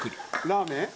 「ラーメン？